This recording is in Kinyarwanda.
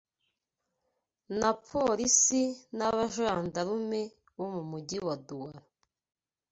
na polisi n’Abajandarume bo mu mujyi wa Duwala